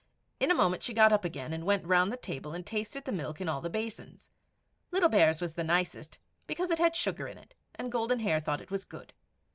In a moment she got up again, and went round the table and tasted the milk in all the basins. Little Bear's was the nicest, because it had sugar in it, and Golden Hair thought it was good.